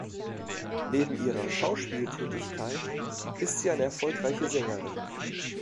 Neben ihrer Schauspieltätigkeit ist sie eine erfolgreiche Sängerin.